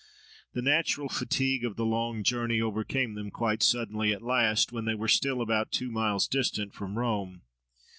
The natural fatigue of the long journey overcame them quite suddenly at last, when they were still about two miles distant from Rome.